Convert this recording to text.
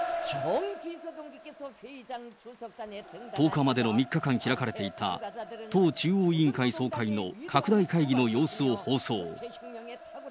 １０日までの３日間開かれていた、党中央委員会総会の拡大会議の様子を放送。